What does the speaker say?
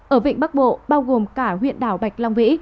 ở vịnh bắc bộ bao gồm cả huyện đảo bạch long vĩ